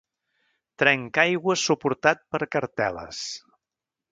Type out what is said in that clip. Trencaaigües suportat per cartel·les.